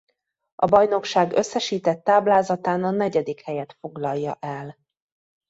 A bajnokság összesített táblázatán a negyedik helyet foglalja el.